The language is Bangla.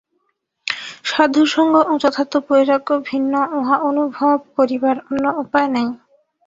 সাধুসঙ্গ ও যথার্থ বৈরাগ্য ভিন্ন উহা অনুভব করিবার অন্য উপায় নাই।